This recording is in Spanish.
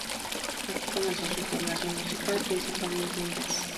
Aquí comenzó su formación musical, principalmente en Jazz.